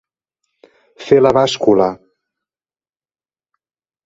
Fer la bàscula.